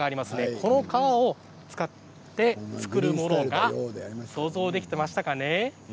この皮を使って作るもの想像できていましたか？